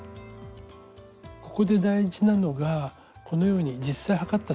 ここで大事なのがこのように実際測った寸法と